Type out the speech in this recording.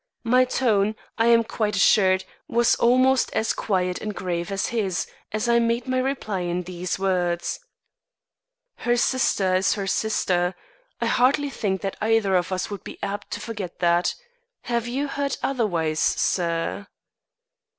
My tone, I am quite assured, was almost as quiet and grave as his as I made my reply in these words: "Her sister is her sister. I hardly think that either of us would be apt to forget that. Have you heard otherwise, sir?"